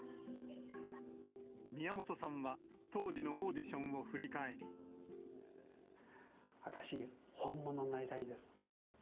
宮本さんは、当時のオーディショ私、本物になりたいんですって。